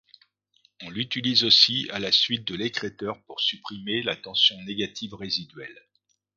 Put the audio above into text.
On l'utilise aussi à la suite de l'écrêteur pour supprimer la tension négative résiduelle.